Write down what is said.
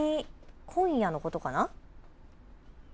今夜のことかな？